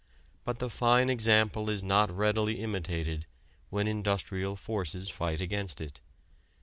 But the fine example is not readily imitated when industrial forces fight against it.